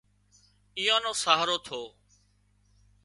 ايئان نو سهارو ٿو